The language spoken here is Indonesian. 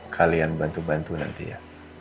kalian bantu bantu nanti ya